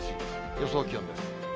予想気温です。